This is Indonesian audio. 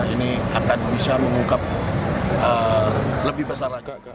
ini akan bisa mengungkap lebih besar lagi